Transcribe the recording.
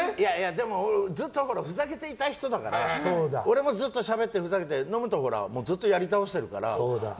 でも、ずっとふざけていたい人だから。俺もずっとしゃべって、ふざけて飲むとずっとやり倒してるから。